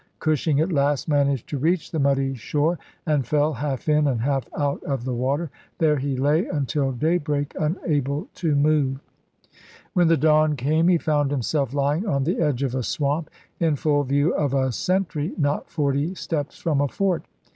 Cushing at last managed to reach the muddy shore, and fell, half in and half out of the water ; there he lay until daybreak, unable to move. Oct. 28, 1864. When the dawn came, he found himself lying on the edge of a swamp, in full view of a sentry, not forty steps from a fort.